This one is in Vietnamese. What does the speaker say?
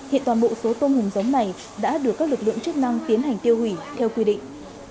hiện toàn bộ số tôm hùm giống này đã được các lực lượng chức năng tiến hành tiêu hủy theo quy định